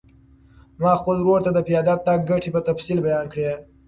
ما خپل ورور ته د پیاده تګ ګټې په تفصیل بیان کړې.